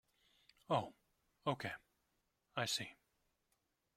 Oh okay, I see.